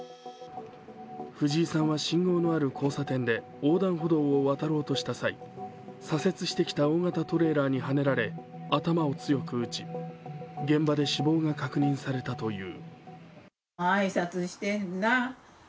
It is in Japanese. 藤井さんは信号のある交差点で横断歩道を渡ろうとした際、左折してきた大型トレーラーにはねられ、頭を強く打ち現場で死亡が確認されたという。